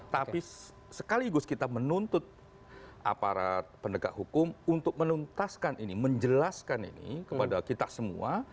tapi sekaligus kita menuntut aparat penegak hukum untuk menuntaskan ini menjelaskan ini kepada kita semua